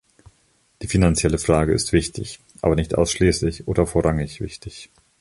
Die finanzielle Frage ist wichtig, aber nicht ausschließlich oder vorrangig wichtig.